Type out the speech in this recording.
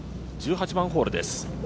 １８番ホールです